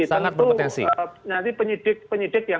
sangat berpotensi nanti penyidik